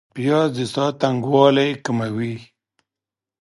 پیاز د ساه تنګوالی کموي